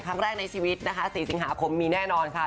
ครั้งแรกในชีวิตนะคะ๔สิงหาคมมีแน่นอนค่ะ